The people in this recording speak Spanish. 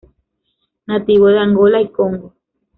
Nativo de Angola y Congo.